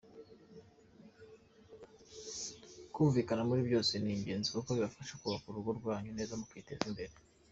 Kumvikana muri byose ni igenzi kuko bibafasha kubaka urugo rwanyu neza mukiteza imbere.